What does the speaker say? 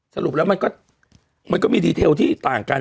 สรุปแล้วมันก็มีดีเทลที่ต่างกัน